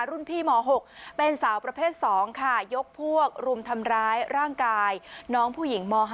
รุ่นพี่ม๖เป็นสาวประเภท๒ค่ะยกพวกรุมทำร้ายร่างกายน้องผู้หญิงม๕